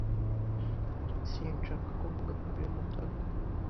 Sinshaka kuvuga kuri Mutoni.